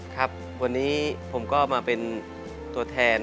ครับวันนี้ผมก็มาเป็นตัวแทน